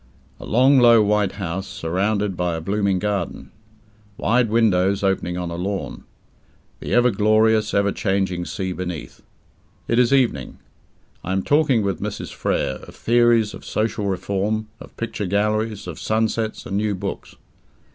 A long low white house, surrounded by a blooming garden. Wide windows opening on a lawn. The ever glorious, ever changing sea beneath. It is evening. I am talking with Mrs. Frere, of theories of social reform, of picture galleries, of sunsets, and new books.